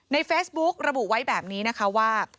เฟซบุ๊กระบุไว้แบบนี้นะคะว่า